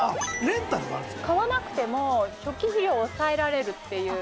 買わなくても初期費用抑えられるっていう。